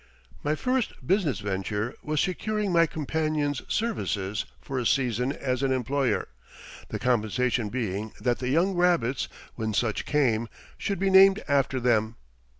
My first business venture was securing my companions' services for a season as an employer, the compensation being that the young rabbits, when such came, should be named after them.